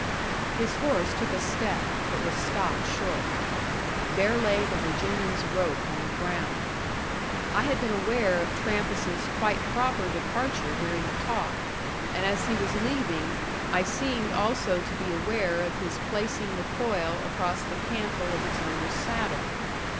His horse took a step, but was stopped short. There lay the Virginian's rope on the ground. I had been aware of Trampas's quite proper departure during the talk; and as he was leaving, I seemed also to be aware of his placing the coil across the cantle of its owner's saddle.